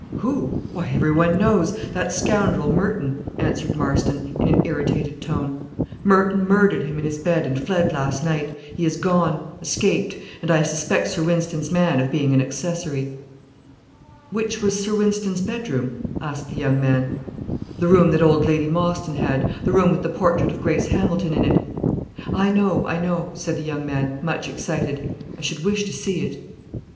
"Who? Why, everyone knows! that scoundrel, Merton," answered Marston, in an irritated tone "Merton murdered him in his bed, and fled last night; he is gone escaped and I suspect Sir Wynston's man of being an accessory." "Which was Sir Wynston's bedroom?" asked the young man. "The room that old Lady Mostyn had the room with the portrait of Grace Hamilton in it." "I know I know," said the young man, much excited. "I should wish to see it."